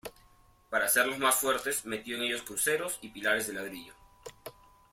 Para hacerlos más fuertes metió en ellos cruceros y pilares de ladrillo.